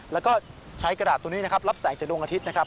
แล้วก็ใช้กระดาษตัวนี้นะครับรับแสงจากดวงอาทิตย์นะครับ